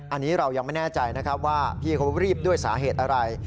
อันนี้เรายังไม่แน่ใจนะครับว่าพี่เขารีบด้วยสาเหตุอะไร